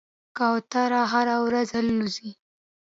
کوتره هره ورځ الوځي.